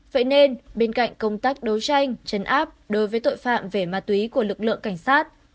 vậy nên bên cạnh công tác đấu tranh chấn áp đối với tội phạm về ma túy của lực lượng cảnh sát